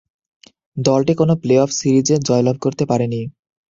দলটি কোন playoff series জয়লাভ করতে পারেনি।